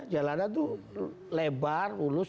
jalanan itu lebar mulus